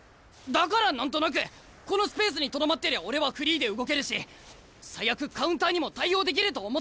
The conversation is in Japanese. だから何となくこのスペースにとどまってりゃ俺はフリーで動けるし最悪カウンターにも対応できると思ったんだ。